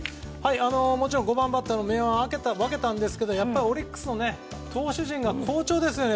もちろん５番バッターが明暗を分けたんですがやっぱりオリックスの投手陣が好調ですよね。